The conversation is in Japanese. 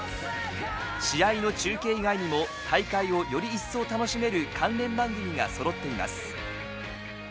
試合の中継以外にも大会をより一層楽しめる関連番組がそろっています。